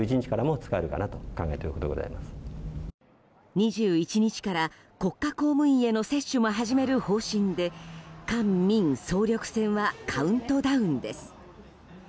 ２１日から国家公務員への接種も始める方針で官民総力戦はカウントダウンです。